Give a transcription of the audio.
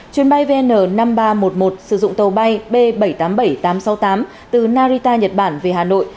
chuyến bay vn năm nghìn ba trăm một mươi một sử dụng tàu bay b bảy trăm tám mươi bảy tám trăm sáu mươi tám từ narita nhật bản về hà nội